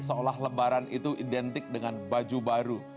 seolah lebaran itu identik dengan baju baru